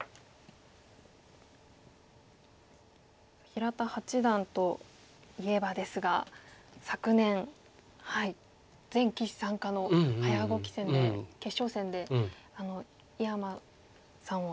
平田八段といえばですが昨年全棋士参加の早碁棋戦で決勝戦で井山さんを破っての。